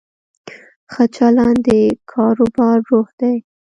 ښه چلند د کاروبار روح دی.